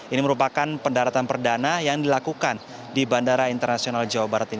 ini merupakan pendaratan perdana yang dilakukan di bandara internasional jawa barat ini